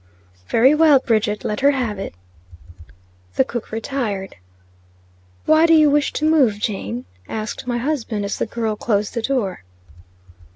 "Very well, Bridget, let her have it." The cook retired. "Why do you wish to move, Jane?" asked my husband, as the girl closed the door.